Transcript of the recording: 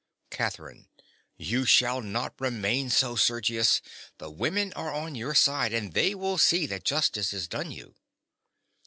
CATHERINE. You shall not remain so, Sergius. The women are on your side; and they will see that justice is done you.